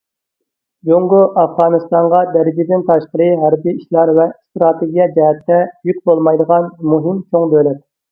جۇڭگو ئافغانىستانغا دەرىجىدىن تاشقىرى ھەربىي ئىشلار ۋە ئىستراتېگىيە جەھەتتە يۈك بولمايدىغان مۇھىم چوڭ دۆلەت.